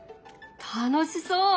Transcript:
楽しそう！